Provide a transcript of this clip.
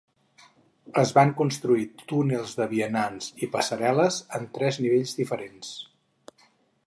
Es van construir túnels de vianants i passarel·les en tres nivells diferents.